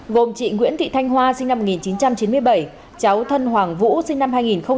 gồm chị nguyễn thị thanh hoa sinh năm một nghìn chín trăm chín mươi bảy cháu thân hoàng vũ sinh năm hai nghìn một mươi